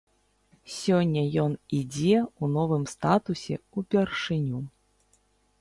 Сёння ён ідзе ў новым статусе ўпершыню.